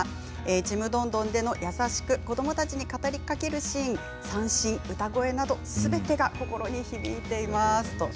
「ちむどんどん」でも優しく子どもたちに語りかけるシーン三線、歌声などすべてが心に響いています。